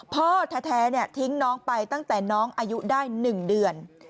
พ่อแท้ทิ้งน้องไปตั้งแต่น้องอายุได้๑เดือน